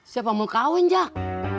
siapa mau kawin jak